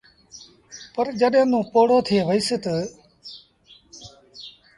پر جڏهيݩٚ توٚنٚ پوڙهو ٿئي وهيٚس تا